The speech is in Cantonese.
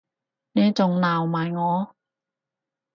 你仲鬧埋我